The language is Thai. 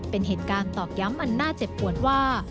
เป็นเหตุการณ์ตอกย้ำอันน่าเจ็บปวดว่า